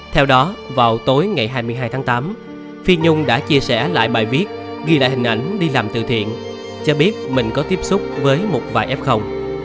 theo đó vào tối ngày hai mươi hai tháng tám phi nhung đã chia sẻ lại bài viết ghi lại hình ảnh đi làm từ thiện cho biết mình có tiếp xúc với một vài f